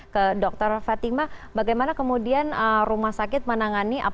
ke dr fatima bagaimana kemudian rumah sakit menangani